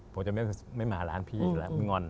ผมจะไม่มาล้างพี่อีกแล้วมึงงอน